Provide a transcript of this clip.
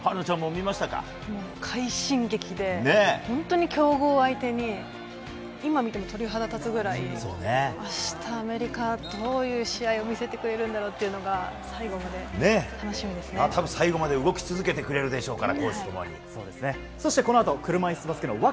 快進撃で本当に強豪相手に今見ても鳥肌が立つくらい明日のアメリカ戦はどういう試合見せてくれるんだろうっていうのが最後まで動き続けてくれるでしょうから。